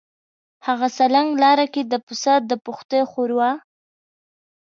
هغه سالنګ لاره کې د پسه د پښتۍ ښوروا.